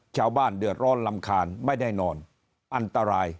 ชาวบ้านเดือดร้อนรำคาญไม่ได้นอนอันตราย